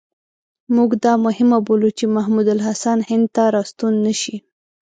موږ دا مهمه بولو چې محمود الحسن هند ته را ستون نه شي.